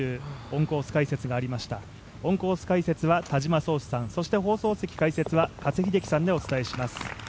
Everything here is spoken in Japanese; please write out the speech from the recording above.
オンコース解説は田島創志さんそして放送席解説は加瀬秀樹さんでお伝えします。